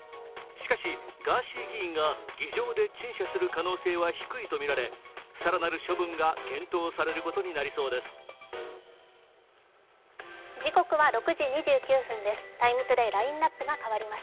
しかし、ガーシー議員が議場で陳謝する可能性は低いとみられ更なる処分が検討されることになりそうです。